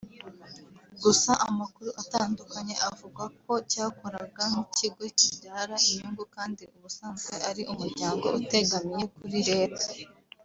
gusa amakuru atandukanye avugwa ko cyakoraga nk’ikigo kibyara inyungu kandi ubusanzwe ari umuryango utegamiye kuri Leta